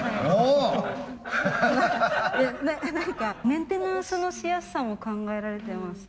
何かメンテナンスのしやすさも考えられてます？